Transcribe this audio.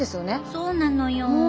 そうなのよ。